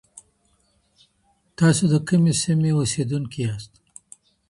تاسو د کومي سيمي اوسېدونکي ياست؟